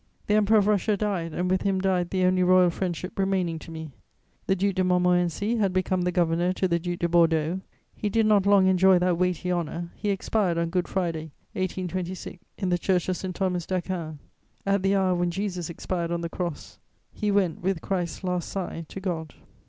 The Emperor of Russia died, and with him died the only royal friendship remaining to me. The Duc de Montmorency had become governor to the Duc de Bordeaux. He did not long enjoy that weighty honour: he expired on Good Friday 1826, in the Church of Saint Thomas d'Aquin; at the hour when Jesus expired on the Cross, he went with Christ's last sigh to God.